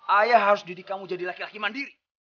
ayah harus didikamu jadi laki laki mandiri